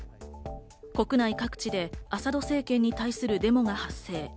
国内各地でアサド政権に対するデモが発生。